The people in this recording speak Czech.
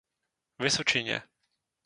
Vysočině.